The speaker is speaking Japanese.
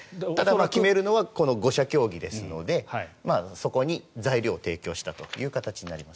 決めるのはこの５者協議ですのでそこに材料を提供したという形になります。